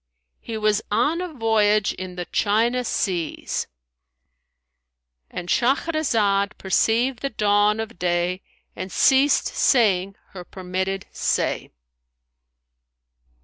He was on a voyage in the China seas—And Shahrazad perceived the dawn of day and ceased saying her permitted say.